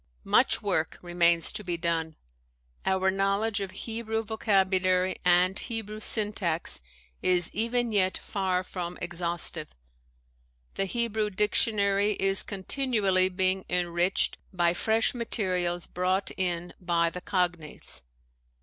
Much work remains to be done. Our knowledge of Hebrew vocabulary and Hebrew syntax, is even yet far from exhaustive. The Hebrew dictionary is continually being enriched by fresh materials brought in by the cognates.